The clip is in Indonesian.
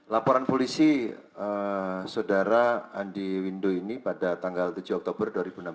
laporan polisi saudara andi windu ini pada tanggal tujuh oktober dua ribu enam belas